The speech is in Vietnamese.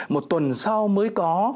một tuần sau mới có